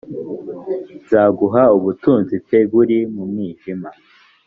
nzaguha ubutunzi p buri mu mwijima